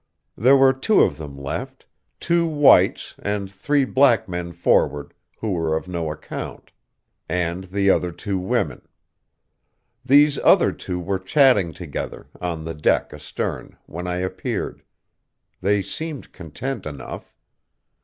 "There were two of them left; two whites, and three black men forward, who were of no account. And the other two women. These other two were chattering together, on the deck astern, when I appeared. They seemed content enough....